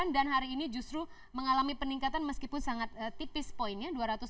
dan hari ini justru mengalami peningkatan meskipun sangat tipis poinnya dua ratus empat puluh